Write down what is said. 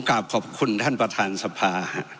กราบขอบคุณท่านประธานสภา